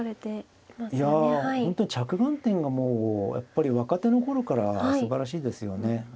本当に着眼点がもうやっぱり若手の頃からすばらしいですよね。